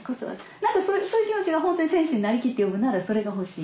何かそういう気持ちがホントに選手になりきって読むならそれが欲しい。